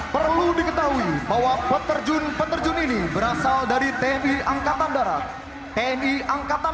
perlu diketahui bahwa peterjun peterjun ini berasal dari tni angkatan darat tni angkatan